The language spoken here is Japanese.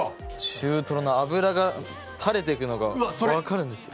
中トロの脂がたれてくのが分かるんですよ。